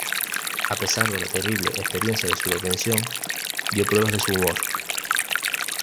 A pesar de la terrible experiencia de su detención, dio pruebas de su humor.